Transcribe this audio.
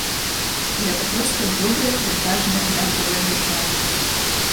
Гэта проста добрае вінтажнае лямпавае гучанне.